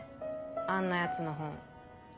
あんなヤツの本。